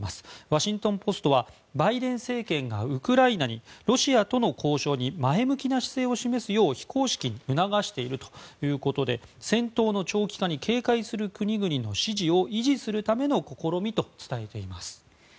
ワシントン・ポストはバイデン政権がウクライナにロシアとの交渉に前向きな姿勢を示すよう非公式に促しているということで戦闘の長期化に警戒する国々の維持するための試みと伝えています。